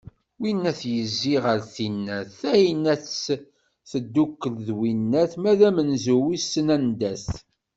Winnat yezzi ɣer tinnat, tayennat teddukel d winnat, ma d amenzu wisen anda-t.